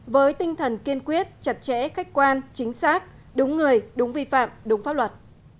với tinh thần kiên quyết chặt chẽ khách quan chính xác đúng người đúng vi phạm đúng pháp luật